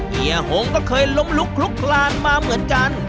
เฮียหงก็เคยล้มลุกลุกคลานมาเหมือนกัน